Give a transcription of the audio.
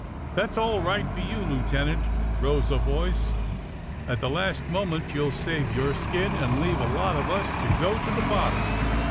^'That's all right for you. Lieutenant!" rose a voice. ^'At the last moment you'll save your skin and leave a lot of us to go to the bottom!"